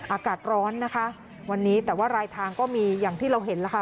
อากาศร้อนนะคะวันนี้แต่ว่ารายทางก็มีอย่างที่เราเห็นแล้วค่ะ